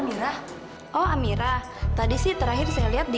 bersama amira robody bersamaividade